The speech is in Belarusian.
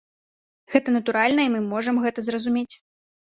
Гэта натуральна, і мы можам гэта зразумець.